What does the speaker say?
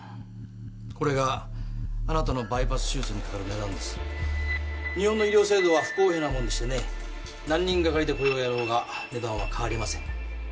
これがあなたのバイパス手術にかかる値段です日本の医療制度は不公平なもので何人がかりでこれをやろうが値段は変わりません